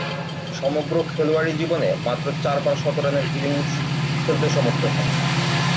সমগ্র খেলোয়াড়ী জীবনে মাত্র চারবার শতরানের ইনিংস খেলতে সমর্থ হন।